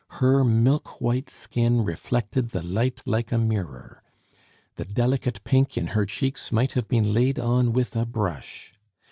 Her milk white skin reflected the light like a mirror. The delicate pink in her cheeks might have been laid on with a brush.